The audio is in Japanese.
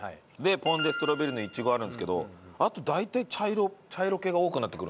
ポン・デ・ストロベリーのイチゴあるんですけどあと大体茶色茶色系が多くなってくるんですよ。